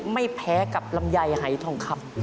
ไม่แพ้กับลำไยหายทองคำ